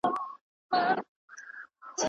خصوصي تشبثاتو د خلکو لپاره د کار زمینه برابره کړه.